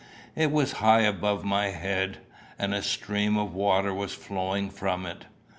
It was high above my head, and a stream of water was flowing from it.